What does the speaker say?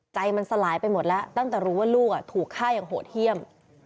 ใจมันสลายไปหมดแล้วตั้งแต่รู้ว่าลูกถูกฆ่าอย่างโหดเยี่ยม